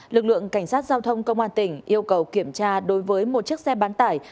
lực lượng cảnh sát giao thông công an tỉnh yêu cầu kiểm tra đối với một chiếc xe bán tải